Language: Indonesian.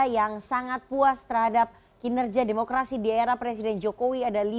yang sangat puas terhadap kinerja demokrasi di era presiden jokowi ada lima komentari